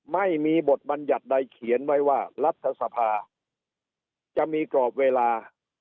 ไม่มีบทบัญญัติใดเขียนไว้ว่ารัฐสภาจะมีกรอบเวลา